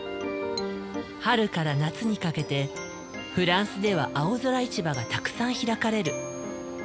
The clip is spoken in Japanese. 春から夏にかけてフランスでは青空市場がたくさん開かれる。